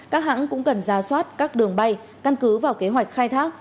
các hãng cũng cần ra soát các đường bay căn cứ vào kế hoạch khai thác